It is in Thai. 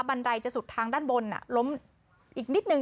ไรจะสุดทางด้านบนล้มอีกนิดนึง